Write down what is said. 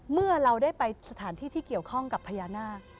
เมื่อเราได้ไปสถานที่ที่เกี่ยวข้องกับพญานาค